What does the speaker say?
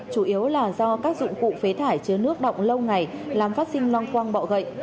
chủ yếu là do các dụng cụ phế thải chứa nước động lâu ngày làm phát sinh long quang bọ gậy